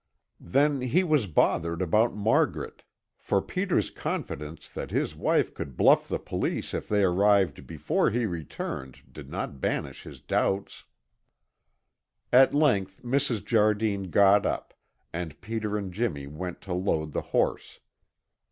Then he was bothered about Margaret, for Peter's confidence that his wife could bluff the police if they arrived before he returned did not banish his doubts. At length Mrs. Jardine got up and Peter and Jimmy went to load the horse.